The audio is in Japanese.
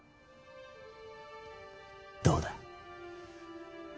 どうだ。